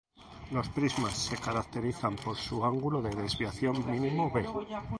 Los prismas se caracterizan por su ángulo de desviación mínimo "b".